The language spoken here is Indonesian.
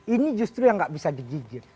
ini justru yang nggak bisa digigit